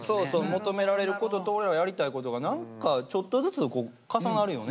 求められることと俺らがやりたいことが何かちょっとずつ重なるよね。